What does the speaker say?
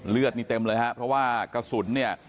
เลือดนี่เต็มเลยฮะเพราะว่ากระสุนเนี่ย